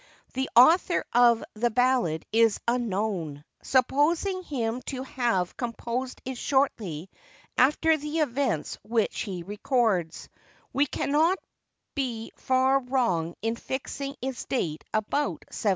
The author of the ballad is unknown: supposing him to have composed it shortly after the events which he records, we cannot be far wrong in fixing its date about 1706.